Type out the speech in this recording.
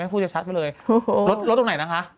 พูดชัดไปเลยรถตรงไหนนะคะ